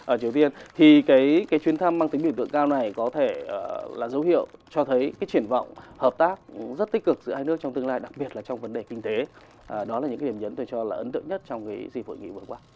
ở triều tiên thì cái chuyến thăm mang tính biểu tượng cao này có thể là dấu hiệu cho thấy cái triển vọng hợp tác rất tích cực giữa hai nước trong tương lai đặc biệt là trong vấn đề kinh tế đó là những điểm nhấn tôi cho là ấn tượng nhất trong cái dịp hội nghị vừa qua